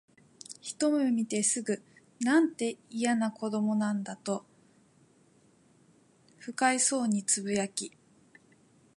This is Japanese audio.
ひとめ見てすぐ、「なんて、いやな子供だ」と頗る不快そうに呟き、